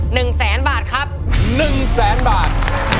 หนึ่งแสนบาทครับหนึ่งแสนบาท